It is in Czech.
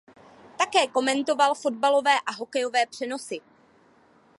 Také komentoval fotbalové a hokejové přenosy.